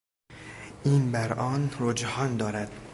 این بر آن رجحان دارد.